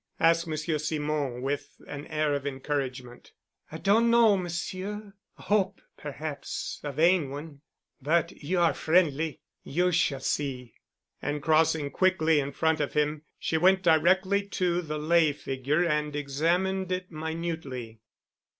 asked Monsieur Simon with an air of encouragement. "I don't know, Monsieur—a hope—perhaps a vain one. But you are friendly. You shall see." And crossing quickly in front of him she went directly to the lay figure and examined it minutely.